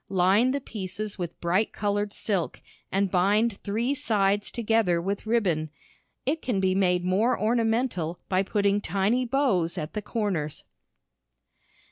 Line the pieces with bright colored silk, and bind three sides together with ribbon. It can be made more ornamental by putting tiny bows at the corners.